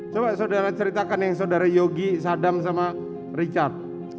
coba saudara ceritakan yang saudara yogi sadam sama richard